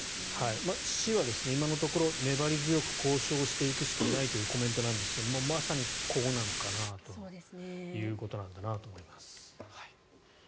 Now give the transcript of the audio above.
市は今のところ粘り強く交渉していくしかないというコメントなんですがまさにこうなのかなということなんだなと思います。